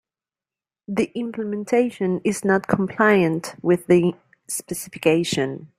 The implementation is not compliant with the specification.